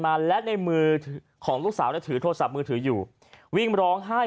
มาและในมือของลูกสาวเนี่ยถือโทรศัพท์มือถืออยู่วิ่งร้องไห้